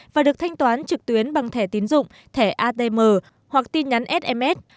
và được thanh toán trực tuyến bằng thẻ tín dụng thẻ atm hoặc tin nhắn sms